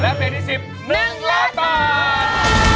และเพลงที่๑๐หนึ่งล้านบาท